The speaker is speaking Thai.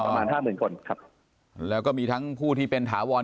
ประมาณห้าหมื่นคนครับแล้วก็มีทั้งผู้ที่เป็นถาวร